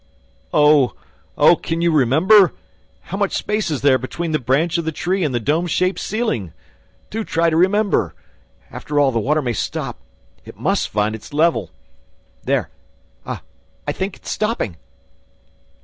"Oh! Oh! Can you remember? How much space is there between the branch of the tree and the dome shaped ceiling? Do try to remember! ... After all, the water may stop, it must find its level! ... There, I think it is stopping!